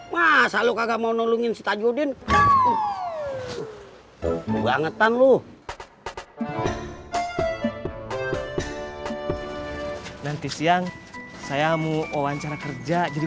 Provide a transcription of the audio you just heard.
masa lu kagak mau nolongin setan judin bangetan lu nanti siang saya mau wawancara kerja jadi